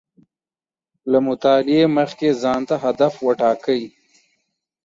له مطالعې مخکې ځان ته هدف و ټاکئ